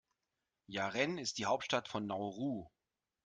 Yaren ist die Hauptstadt von Nauru.